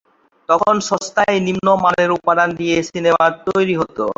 তখন সস্তায় নিম্ন মানের উপাদান দিয়ে সিনেমা তৈরি হতো।